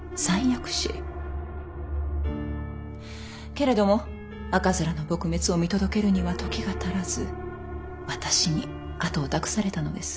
けれども赤面の撲滅を見届けるには時が足らず私に後を託されたのです。